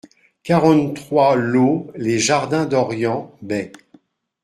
quarante-trois lOT LES JARDINS D'ORIENT BAY